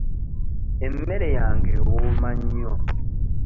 Emmere yange ewooma nnyo.